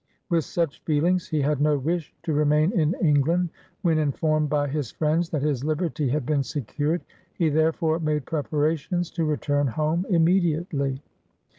With such feelings, he had no wish to remain in England, when informed by his friends that his liberty had been secured; he there fore made preparations to return home immediately.